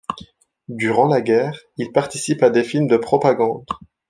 Durant la guerre, il participe à des films de propagande.